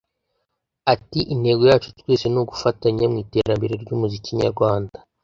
Ati “ Intego yacu twese ni ugufatanya mu iterambere ry'umuziki nyarwanda